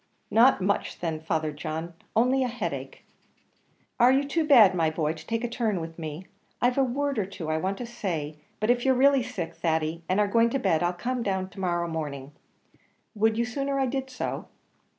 "Not much, then, Father John; only a headache." "Are you too bad, my boy, to take a turn with me? I've a word or two I want to say; but if you're really sick, Thady, and are going to bed, I'll come down early to morrow morning. Would you sooner I did so?"